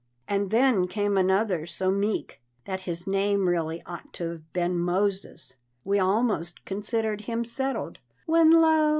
And then came another so meek, That his name really ought to 've been Moses; We almost considered him settled, When lo!